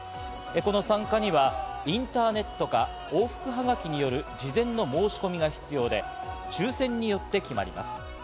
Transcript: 参加にはインターネットか往復はがきによる事前の申し込みが必要で、抽選によって決まります。